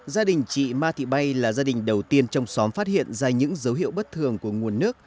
gia đình chị ma thị bay là gia đình đầu tiên trong xóm phát hiện ra những dấu hiệu bất thường của nguồn nước